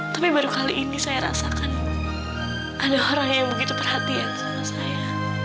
tapi baru kali ini saya rasakan ada orang yang begitu perhatian sama saya